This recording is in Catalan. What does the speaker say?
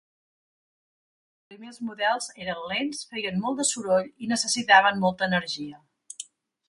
Els primers models eren lents, feien molt de soroll i necessitaven molta energia.